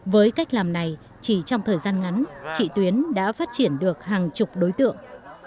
với cách làm này chỉ trong thời gian ngắn chị tuyến đã phát triển được hàng chục đối tượng